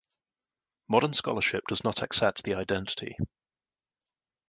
Modern scholarship does not accept the identity.